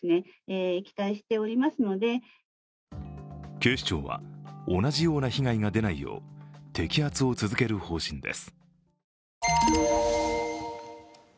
警視庁は同じような被害が出ないよう摘発を続ける方針です。